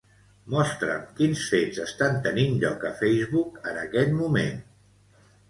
Mostra'm quins fets estan tenint lloc a Facebook en aquest moment.